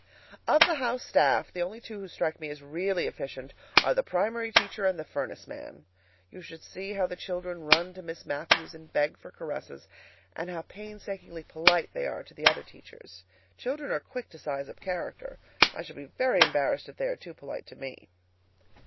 Of the house staff, the only two who strike me as really efficient are the primary teacher and the furnace man. You should see how the children run to meet Miss Matthews and beg for caresses, and how painstakingly polite they are to the other teachers. Children are quick to size up character. I shall be very embarrassed if they are too polite to me.